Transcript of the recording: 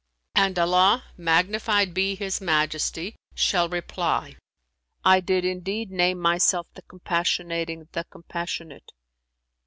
And Allah (magnified be His Majesty!) shall reply, 'I did indeed name myself the Compassionating, the Compassionate.